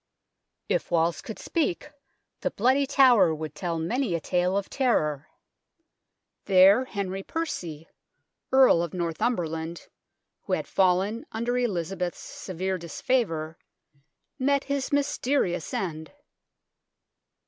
If walls could speak, the Bloody Tower would tell many a tale of terror. There Henry Percy, Earl of Northumberland, who had fallen under Elizabeth's severe disfavour, met his mysterious end.